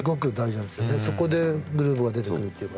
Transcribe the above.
そこでグルーブが出てくるっていうかね。